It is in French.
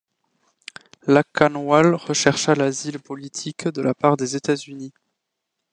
Lakanwal rechercha l'asile politique de la part des États-Unis.